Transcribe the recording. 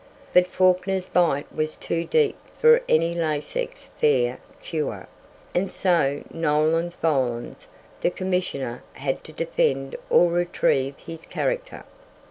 But Fawkner's bite was too deep for any laissez faire cure, and so, nolens volens, the Commissioner had to defend or retrieve his character.